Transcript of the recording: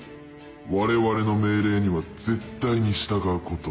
我々の命令には絶対に従うこと。